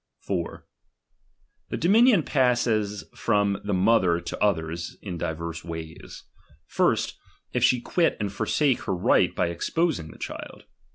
4, The dominion passes from the mother to others, divers ways. First, if she quit and forsake her right by exposing the child.